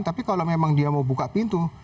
tapi kalau memang dia mau buka pintu